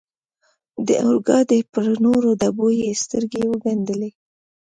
د اورګاډي پر نورو ډبو یې سترګې و ګنډلې.